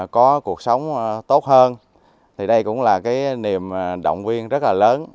có cuộc sống tốt hơn thì đây cũng là niềm động viên rất lớn